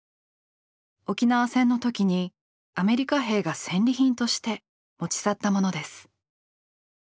沖縄戦の時にアメリカ兵が「戦利品」として持ち去ったものです。